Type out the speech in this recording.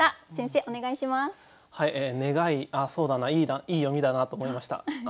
そうだないい読みだなと思いました。